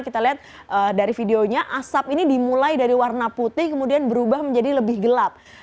kita lihat dari videonya asap ini dimulai dari warna putih kemudian berubah menjadi lebih gelap